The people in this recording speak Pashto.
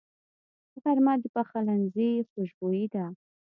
غرمه د پخلنځي خوشبويي ده